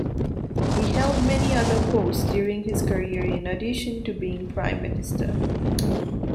He held many other posts during his career in addition to being prime minister.